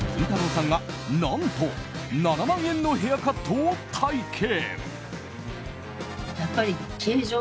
さんが何と７万円のヘアカットを体験。